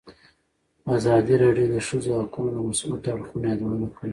ازادي راډیو د د ښځو حقونه د مثبتو اړخونو یادونه کړې.